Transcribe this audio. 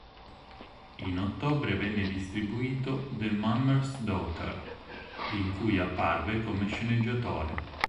In ottobre, venne distribuito "The Mummer's Daughter", in cui apparve come sceneggiatore.